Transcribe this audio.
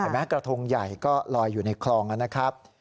แม้กระทงใหญ่ก็ลอยอยู่ในคลองนะครับ